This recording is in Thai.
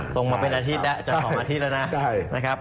ส่งมาเป็นอาทิตย์แล้วจะ๒อาทิตย์แล้วนะนะครับ